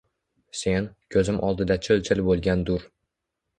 Sen — ko‘zim oldida chil-chil bo‘lgan dur